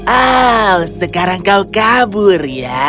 oh sekarang kau kabur ya